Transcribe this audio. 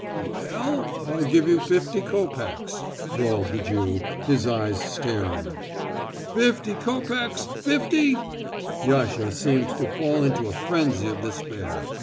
"We ll, I'll give you fifty copecks," drawled the Jew, his eyes staring. "Fifty copecks, fifty?" Yasha seemed to fall into a frenzy of despair.